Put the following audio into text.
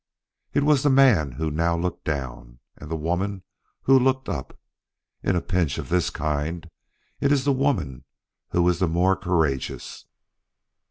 It was the man who now looked down, and the woman who looked up. In a pinch of this kind, it is the woman who is the more courageous.